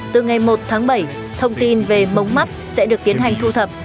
từ ngày một tháng bảy thông tin về mống mắt sẽ được tiến hành thu thập